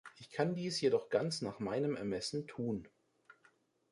Ich kann dies jedoch ganz nach meinem Ermessen tun.